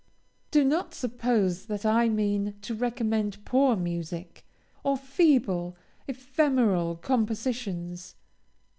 Do not suppose that I mean to recommend poor music, or feeble, ephemeral compositions.